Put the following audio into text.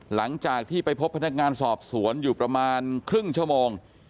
หลังจากที่ไปพบพนักงานสอบสวนอยู่ประมาณครึ่งชั่วโมง